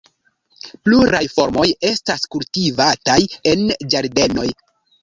Pluraj formoj estas kultivataj en ĝardenoj.